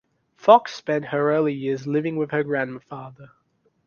Fox spent her early years living with her grandfather.